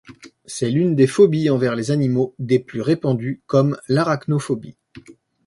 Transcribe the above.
C'est l'une des phobies envers les animaux des plus répandues, comme l'arachnophobie.